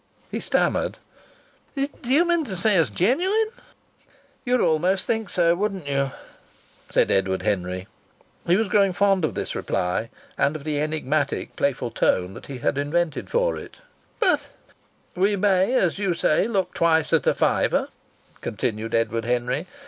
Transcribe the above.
He stammered: "Do you mean to say it's genuine?" "You'd almost think so, wouldn't you?" said Edward Henry. He was growing fond of this reply, and of the enigmatic, playful tone that he had invented for it. "But " "We may, as you say, look twice at a fiver," continued Edward Henry.